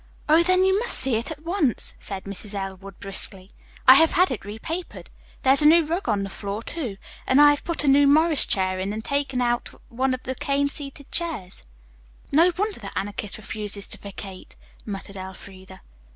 "Oh, then you must see it at once," said Mrs. Elwood briskly. "I have had it repapered. There is a new rug on the floor, too, and I have put a new Morris chair in and taken out one of the cane seated chairs." "No wonder the Anarchist refuses to vacate," muttered Elfreda.